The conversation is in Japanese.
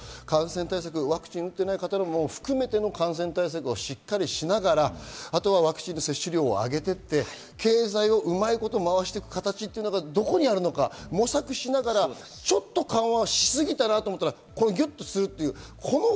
ワクチン打っていない方も含めての感染対策をしっかりしながら、あとはワクチンの接種率を上げて行って経済をうまく回していく形がどこにあるのか模索しながら緩和しすぎたなと思ったらギュっとする。